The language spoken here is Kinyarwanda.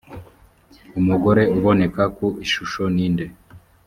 umugore uboneka ku ishusho ni nde?